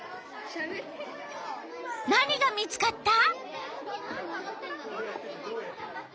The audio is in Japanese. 何が見つかった？